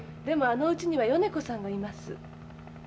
でもあの家には米子さんがいます。